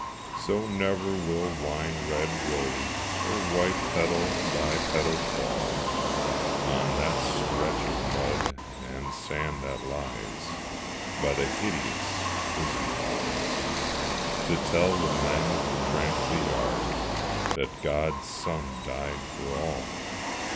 So never will wine red rose or white, Petal by petal, fall On that stretch of mud and sand that lies By the hideous prison wall, To tell the men who tramp the yard That God's Son died for all.